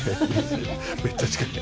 めっちゃ近い。